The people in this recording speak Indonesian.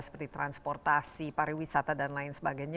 seperti transportasi pariwisata dan lain sebagainya